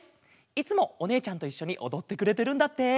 いつもおねえちゃんといっしょにおどってくれてるんだって。